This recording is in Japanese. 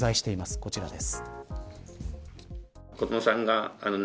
こちらです。